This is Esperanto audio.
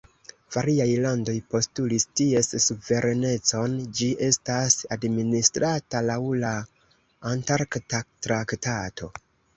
Variaj landoj postulis ties suverenecon; ĝi estas administrata laŭ la Antarkta traktato.